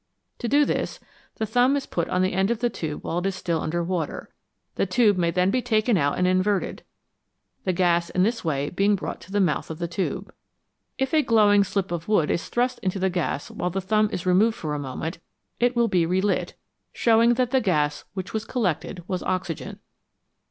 To do this, the thumb is put on the end of the tube while it is still under water, the tube may then be taken out and inverted, the gas in this way being brought to the mouth of the tube. If a glowing slip of wood is thrust into the gas while CHEMISTRY AND AGRICULTURE the thumb is removed for a moment, it will be relit, showing that the gas which was collected was oxygen.